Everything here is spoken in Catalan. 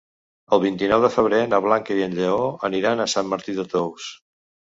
El vint-i-nou de febrer na Blanca i en Lleó aniran a Sant Martí de Tous.